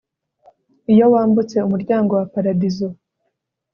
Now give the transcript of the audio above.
iyo wambutse umuryango wa paradizo